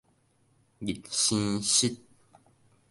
日生翼